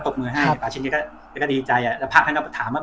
ตกมือให้ปลาชินก็แบบนี่ก็ดีใจแล้วพระเป็นก็ถามว่ามาจากไหน